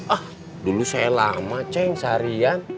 ah dulu saya lama ceng seharian